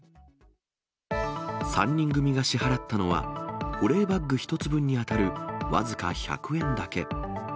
３人組が支払ったのは、保冷バッグ１つ分に当たる僅か１００円だけ。